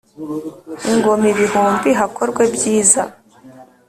Ingoma ibihumbi hakorwe byiza.